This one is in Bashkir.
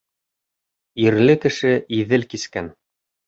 Ирле кеше Иҙел кискән.